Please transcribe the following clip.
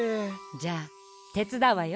じゃあてつだうわよ。